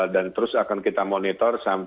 dan terus akan kita monitor